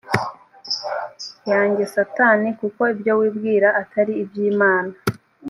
yanjye satani kuko ibyo wibwira atari iby imana